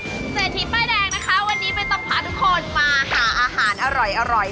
เศรษฐีป้ายแดงนะคะวันนี้ไม่ต้องพาทุกคนมาหาอาหารอร่อย